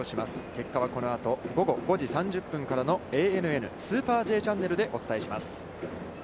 結果はこのあと午後５時３０分からの「ＡＮＮスーパーＪチャンネル」でお伝えします。